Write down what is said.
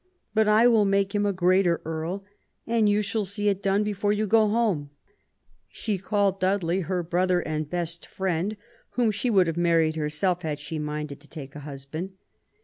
But I will make him a greater Earl, and you shall see it done before you go home." She called Dudley "her brother and best friend, whom 84 QUEEN ELIZABETH, she would have married herself had she minded to take a husband